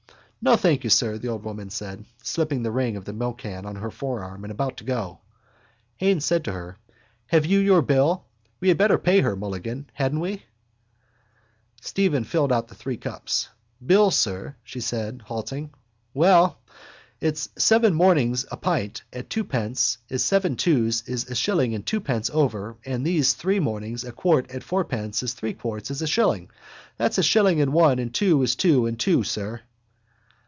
—No, thank you, sir, the old woman said, slipping the ring of the milkcan on her forearm and about to go. Haines said to her: —Have you your bill? We had better pay her, Mulligan, hadn't we? Stephen filled again the three cups. —Bill, sir? she said, halting. Well, it's seven mornings a pint at twopence is seven twos is a shilling and twopence over and these three mornings a quart at fourpence is three quarts is a shilling. That's a shilling and one and two is two and two, sir.